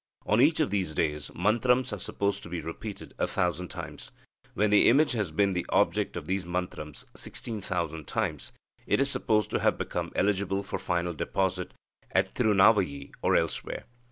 On each of these days, mantrams are supposed to be repeated a thousand times. When the image has been the object of these mantrams sixteen thousand times, it is supposed to have become eligible for final deposit at Tirunavayi or elsewhere."